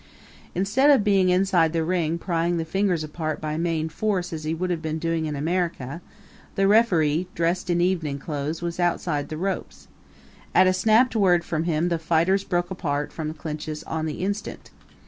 Instead of being inside the ring prying the fighters apart by main force as he would have been doing in America, the referee, dressed in evening clothes, was outside the ropes. At a snapped word from him the fighters broke apart from clinches on the instant.